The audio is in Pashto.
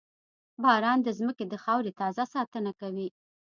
• باران د زمکې د خاورې تازه ساتنه کوي.